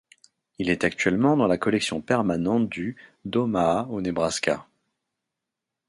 Il est actuellement dans la collection permanente du d'Omaha au Nebraska.